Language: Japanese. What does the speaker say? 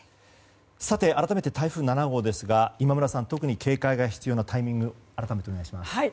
さて、改めて台風７号ですが今村さん、特に警戒が必要なタイミング改めてお願いします。